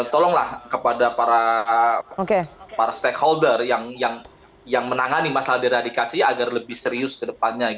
tolonglah kepada para stakeholder yang menangani masalah deradikasi agar lebih serius ke depannya